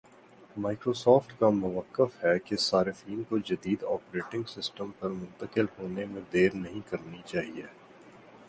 Microsoft کا مؤقف ہے کہ صارفین کو جدید آپریٹنگ سسٹم پر منتقل ہونے میں دیر نہیں کرنی چاہیے